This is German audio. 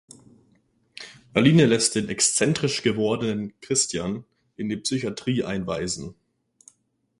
Aline lässt den exzentrisch gewordenen Christian in die Psychiatrie einweisen.